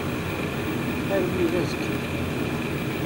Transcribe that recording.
Armi d azekka.